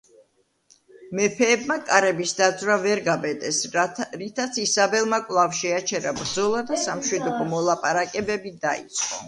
მეფეებმა ჯარების დაძვრა ვერ გაბედეს, რითაც ისაბელმა კვლავ შეაჩერა ბრძოლა და სამშვიდობო მოლაპარაკებები დაიწყო.